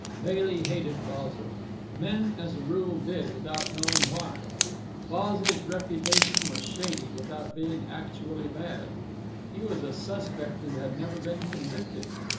Bailey hated Basil. Men, as a rule, did, without knowing why. Basil's reputation was shady, without being actually bad. He was a suspect who had never been convicted.